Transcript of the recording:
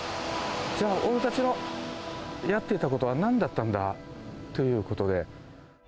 じゃあ、俺たちのやってたことはなんだったんだということで。